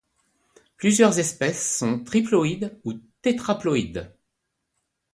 Plusieurs espèces sont triploïdes ou tétraploïdes.